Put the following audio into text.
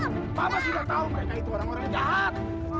mama sudah tahu mereka itu orang orang jahat